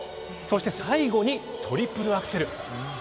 そして、最後にトリプルアクセル。